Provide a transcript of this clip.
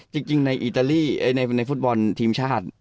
จริงในฟุตบอลทีมชาติ